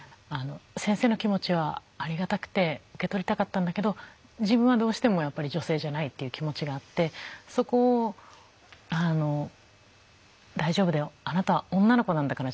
先生の気持ちはありがたくて受け取りたかったんだけど自分はどうしてもやっぱり女性じゃないっていう気持ちがあってそこを「大丈夫だよ。あなたは女の子なんだから」